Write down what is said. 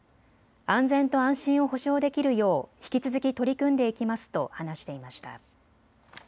安全と安心を保障できるよう引き続き取り組んでいきますと話していました。